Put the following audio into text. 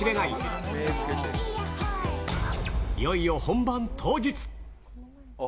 いよいよ本番当日。